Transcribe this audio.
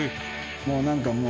もうなんかもう、